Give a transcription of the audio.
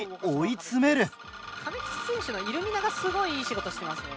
かめきち選手のイルミナがすごいいい仕事してますね。